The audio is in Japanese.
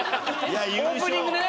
オープニングでね。